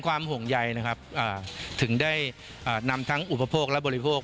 ความห่วงใยนะครับถึงได้นำทั้งอุปโภคและบริโภค